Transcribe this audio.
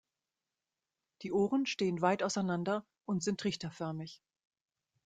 Die Ohren stehen weit auseinander und sind trichterförmig.